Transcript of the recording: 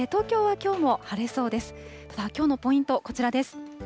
きょうのポイント、こちらです。